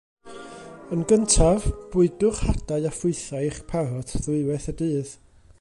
Yn gyntaf bwydwch hadau a ffrwythau i'ch parot ddwywaith y dydd.